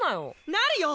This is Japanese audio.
なるよ！